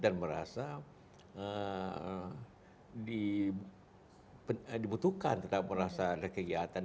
dan merasa dibutuhkan tetap merasa ada kegiatan